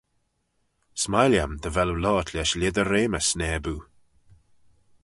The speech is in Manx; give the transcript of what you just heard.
S'mie lhiam dy vel oo loayrt lesh lhied y reamys, naboo.